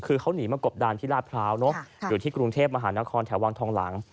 คือเขาหนีมากบดานที่ลาดพร้าวเนอะอยู่ที่กรุงเทพมหานครแถววังทองหลัง